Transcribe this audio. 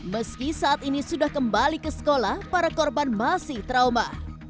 meski saat ini sudah kembali ke sekolah para korban masih trauma